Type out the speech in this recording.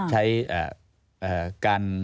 ใช้การ